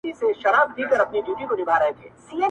• شپه دي اوږده تپه تیاره دي وي -